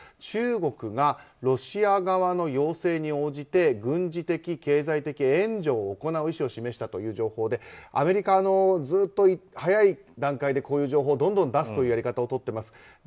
中国がロシア側の要請に応じて軍事的、経済的援助を行う意思を示したという情報でアメリカは早い段階でこういう情報をどんどん出すというやり方をとっています。